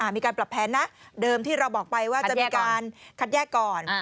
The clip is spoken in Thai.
มีการปรับแผนนะเดิมที่เราบอกไปว่าจะมีการคัดแยกก่อน